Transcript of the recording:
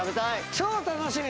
超楽しみ！